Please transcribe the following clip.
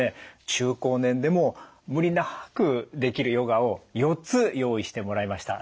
中高年でも無理なくできるヨガを４つ用意してもらいました。